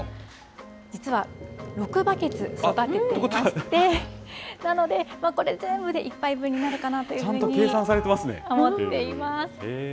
実は６バケツ育てていまして、なので、これ全部で１杯分になるかなというふうに思っています。